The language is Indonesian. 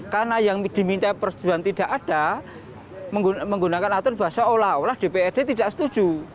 karena yang diminta persetujuan tidak ada menggunakan atur bahasa olah olah dprd tidak setuju